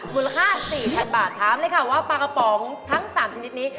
มูลค่า๔๐๐๐บาทถามเลยค่ะว่าปลากระป๋องทั้ง๓ชนิดนี้